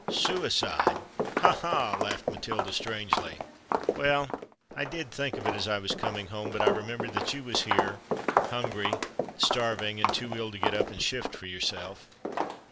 "Suicide!—ha! ha!" laughed Matilda strangely. "Well—I did think of it as I was coming home; but I remembered that you was here—hungry—starving—and too ill to get up and shift for yourself.